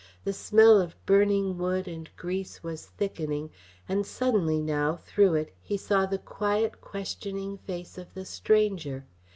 The smell of burning wood and grease was thickening; and suddenly now, through it, he saw the quiet, questioning face of the stranger.